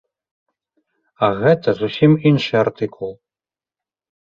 А гэта зусім іншы артыкул.